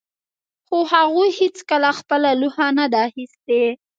خو هغوی هیڅکله خپله لوحه نه ده اخیستې